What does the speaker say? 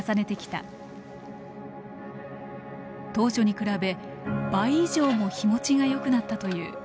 当初に比べ倍以上も火もちがよくなったという。